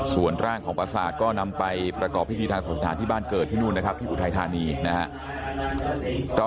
ส่วนร่างของประสาทก็นำไปประกอบพิธีทางศาสนาที่บ้านเกิดที่นู่นนะครับที่อุทัยธานีนะครับ